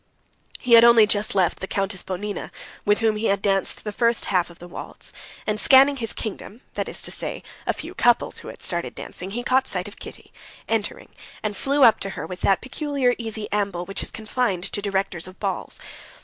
He had only just left the Countess Bonina, with whom he had danced the first half of the waltz, and, scanning his kingdom—that is to say, a few couples who had started dancing—he caught sight of Kitty, entering, and flew up to her with that peculiar, easy amble which is confined to directors of balls.